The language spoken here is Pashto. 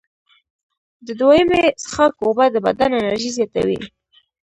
د دویمې څښاک اوبه د بدن انرژي زیاتوي.